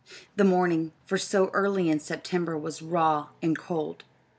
The morning, for so early in September, was raw and cold.